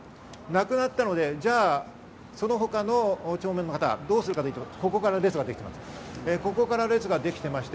なくなったので、その他の弔問の方どうするかというと、ここから列ができています。